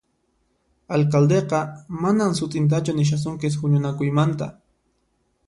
Alcaldeqa manan sut'intachu nishasunkis huñunakuymanta